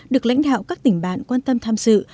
được lãnh đạo các tỉnh bản quan tâm tham sự